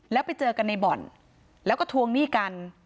แล้วไปเจอกันในบ่อนแล้วก็ทวงหนี้กัน